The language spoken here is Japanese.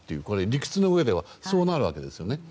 理屈のうえではそうなるわけですよね。